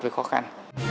với khó khăn